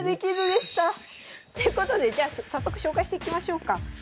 難しすぎる。ということでじゃあ早速紹介していきましょうか。